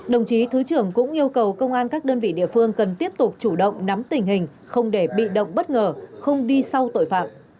đồng chí thứ trưởng cũng yêu cầu công an các đơn vị địa phương cần tiếp tục chủ động nắm tình hình không để bị động bất ngờ không đi sau tội phạm